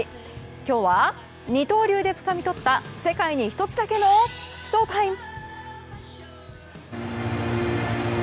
今日は二刀流でつかみとった世界に一つだけのＳＨＯＴＩＭＥ！